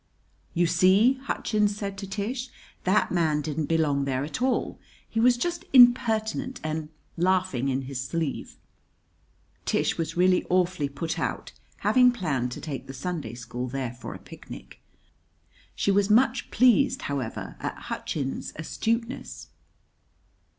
"You see," Hutchins said to Tish, "that man didn't belong there at all. He was just impertinent and laughing in his sleeve." Tish was really awfully put out, having planned to take the Sunday school there for a picnic. She was much pleased, however, at Hutchins's astuteness.